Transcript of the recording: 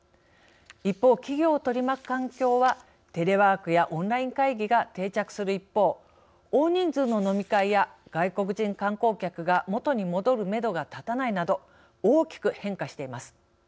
一方企業を取り巻く環境はテレワークやオンライン会議が定着する一方大人数の飲み会や外国人観光客が元に戻るメドが立たないなど大きく変化しています。